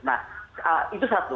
nah itu satu